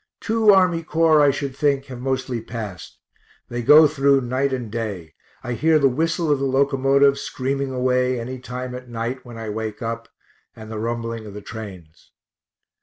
Two Army Corps, I should think, have mostly passed they go through night and day I hear the whistle of the locomotive screaming away any time at night when I wake up, and the rumbling of the trains.